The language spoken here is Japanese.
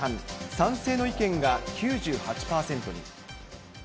賛成の意見が９８％に。